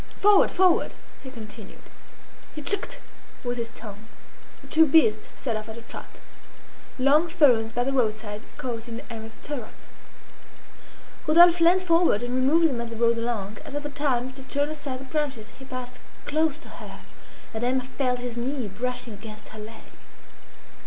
"Forward! forward!" he continued. He "tchk'd" with his tongue. The two beasts set off at a trot. Long ferns by the roadside caught in Emma's stirrup. Rodolphe leant forward and removed them as they rode along. At other times, to turn aside the branches, he passed close to her, and Emma felt his knee brushing against her leg.